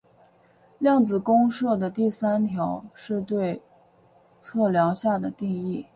量子公设的第三条是对测量下的定义。